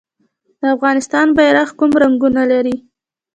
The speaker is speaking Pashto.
د افغانستان بیرغ کوم رنګونه لري؟